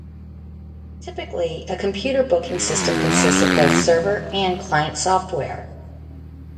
Typically a computer booking system consists of both server and client software.